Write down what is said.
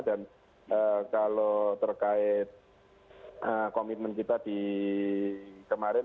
dan kalau terkait komitmen kita di kemarin